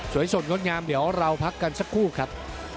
สดงดงามเดี๋ยวเราพักกันสักครู่ครับ